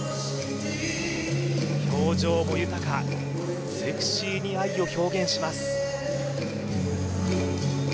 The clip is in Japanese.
表情も豊かセクシーに愛を表現します